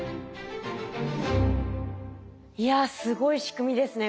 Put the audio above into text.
いやすごい仕組みですね